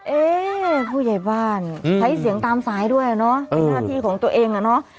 เอ๊ผู้ใหญ่บ้านใช้เสียงตามสายด้วยเนอะเป็นหน้าที่ของตัวเองอ่ะเนอะ